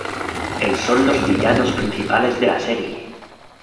El son los villanos principales de la serie.